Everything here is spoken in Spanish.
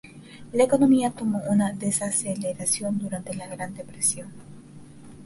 La economía tomó una desaceleración durante la Gran Depresión.